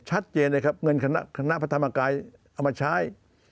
ชัดเจนเลยครับเงินคณะพระธรรมกายเอามาใช้